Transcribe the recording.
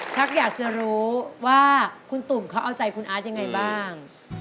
ชักอยากจะรู้ว่าคุณตุ๋มเขาเอาใจคุณอาจอย่างไรบ้าง